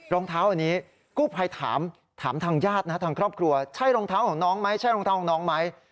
รองเท้านี้กู้ภัยถามถามทางญาติทางครอบครัวใช่รองเท้าของน้องไหม